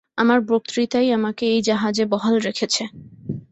আমার বক্তৃতাই আমাকে এই জাহাজে বহাল রেখেছে।